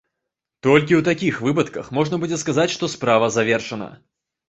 Толькі ў такіх выпадках можна будзе сказаць, што справа завершана.